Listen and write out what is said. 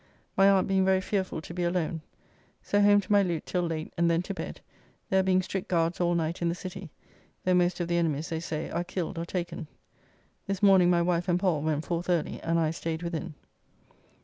My aunt being very fearful to be alone. So home to my lute till late, and then to bed, there being strict guards all night in the City, though most of the enemies, they say, are killed or taken. This morning my wife and Pall went forth early, and I staid within.